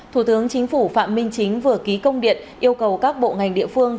thủ tướng chính phủ phạm minh chính vừa ký công điện yêu cầu các bộ ngành địa phương